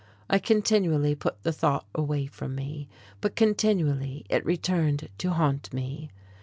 I continually put the thought away from me, but continually it returned to haunt me.